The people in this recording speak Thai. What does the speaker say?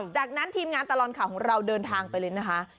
จากนั้นทีมงานตลอดข่าวของเราเดินทางไปเลยนะคะ